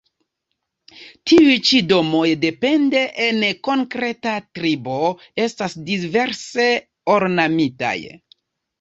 Tiuj ĉi domoj, depende en konkreta tribo, estas diverse ornamitaj.